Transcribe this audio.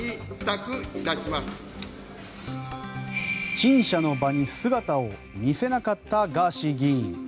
陳謝の場に姿を見せなかったガーシー議員。